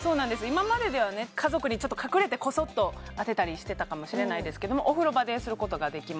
今まででは家族にちょっと隠れてコソッと当てたりしてたかもしれないですけどもお風呂場ですることができます